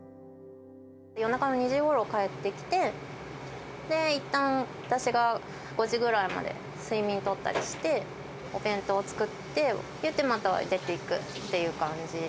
夜中の２時ごろ帰ってきて、で、いったん私が５時ぐらいまで睡眠とったりして、お弁当を作って、また出ていくっていう感じ。